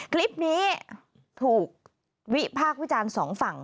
คลิปนี้ถูกวิภาควิจารณ์๒ฝั่ง